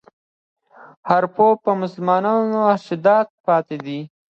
عارفو مسلمانانو ارشادات پاتې وو.